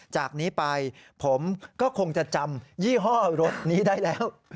จากนี้ไปผมก็คงจะจำยี่ห้อรถนี้ได้แล้ว